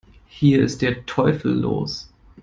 Hier ist der Teufel los!